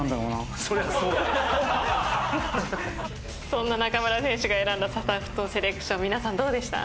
そんな中村選手が選んだ『サタフト』セレクション皆さんどうでした？